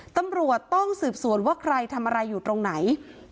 ตำรวจต้องสืบสวนว่าใครทำอะไรอยู่ตรงไหน